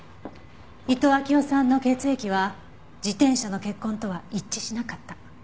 伊東暁代さんの血液は自転車の血痕とは一致しなかった。